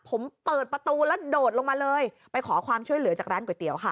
ผมเปิดประตูแล้วโดดลงมาเลยไปขอความช่วยเหลือจากร้านก๋วยเตี๋ยวค่ะ